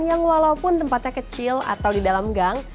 yang walaupun tempatnya kecil atau di dalam gang